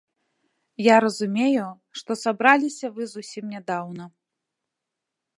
Я разумею, што сабраліся вы зусім нядаўна.